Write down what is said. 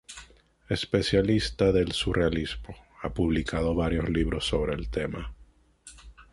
Especialista del surrealismo, ha publicado varios libros sobre el tema.